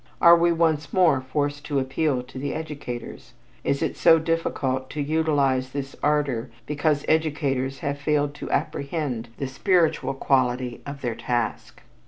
Are we once more forced to appeal to the educators? Is it so difficult to utilize this ardor because educators have failed to apprehend the spiritual quality of their task?